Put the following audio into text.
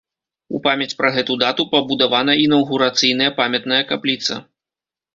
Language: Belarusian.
У памяць пра гэту дату пабудавана інаўгурацыйная памятная капліца.